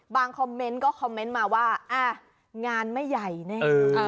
คอมเมนต์ก็คอมเมนต์มาว่าอ่ะงานไม่ใหญ่แน่